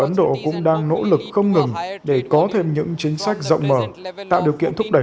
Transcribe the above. ấn độ cũng đang nỗ lực không ngừng để có thêm những chính sách rộng mở tạo điều kiện thúc đẩy